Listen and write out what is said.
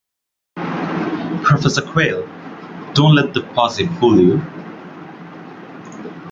Professor Quail: Don't let the posy fool you!